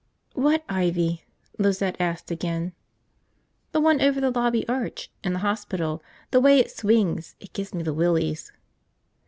"What ivy?" Lizette asked again. "The one over the lobby arch. In the hospital. The way it swings, it gives me the willies."